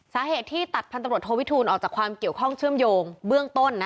สาเหตุที่ตัดพันตำรวจโทวิทูลออกจากความเกี่ยวข้องเชื่อมโยงเบื้องต้น